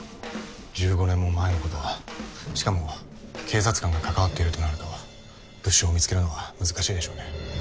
１５年も前のことしかも警察官が関わっているとなると物証を見つけるのは難しいでしょうね。